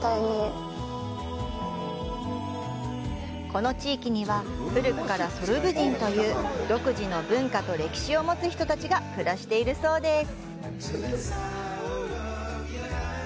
この地域には、古くからソルブ人という独自の文化と歴史を持つ人たちが暮らしているそうです。